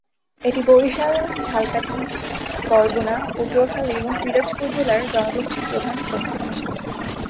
এটি বরিশাল, ঝালকাঠি, বরগুনা, পটুয়াখালী এবং পিরোজপুর জেলার জনগোষ্ঠীর প্রধান কথ্য ভাষা।